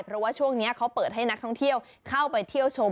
เพราะว่าช่วงนี้เขาเปิดให้นักท่องเที่ยวเข้าไปเที่ยวชม